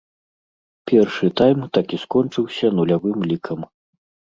Першы тайм так і скончыўся нулявым лікам.